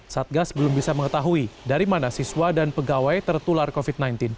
satgas belum bisa mengetahui dari mana siswa dan pegawai tertular covid sembilan belas